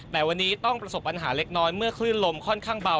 แต่วันนี้ต้องประสบปัญหาเล็กน้อยเมื่อคลื่นลมค่อนข้างเบา